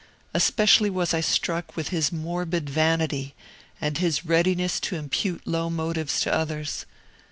Especially was I struck with his morbid vanity, and his readiness to impute low motives to others.